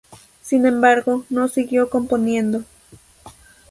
Sin embargo, no siguió componiendo.